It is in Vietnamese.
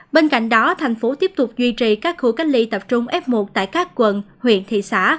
bên cạnh đó thành phố tiếp tục duy trì các khu cách ly tập trung f một tại các quận huyện thị xã